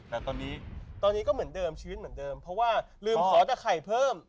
แต่ตอนนี้ตอนนี้ก็เหมือนเดิมชีวิตเหมือนเดิมเพราะว่าลืมขอแต่ไข่เพิ่ม